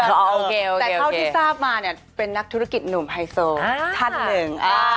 แต่เท่าที่ทราบมาเนี่ยเป็นนักธุรกิจหนุ่มไฮโซท่านหนึ่ง